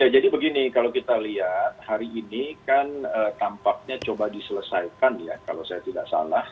jadi begini kalau kita lihat hari ini kan tampaknya coba diselesaikan ya kalau saya tidak salah